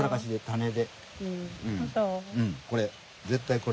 これ。